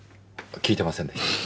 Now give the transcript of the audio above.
聞いてませんでした。